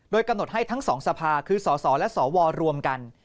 กำหนดให้ทั้งสองสภาคือสสและสวรวมกัน